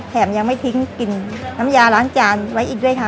แถมยังไม่ทิ้งกลิ่นน้ำยาล้างจานไว้อีกด้วยค่ะ